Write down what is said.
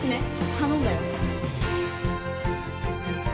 頼んだよ。